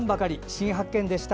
新発見でした。